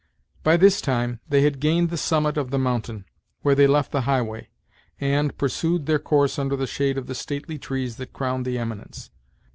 By this time they had gained the summit of the mountain, where they left the highway, and pursued their course under the shade of the stately trees that crowned the eminence.